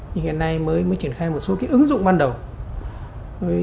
nhưng hiện nay mới triển khai một số cái ứng dụng ban đầu